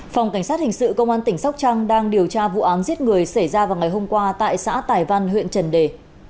phòng cảnh sát hình sự công an tỉnh sóc trăng đang điều tra vụ án giết người xảy ra vào ngày hôm qua tại xã tài văn huyện trần đề